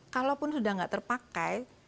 kalaupun sudah tidak terpakai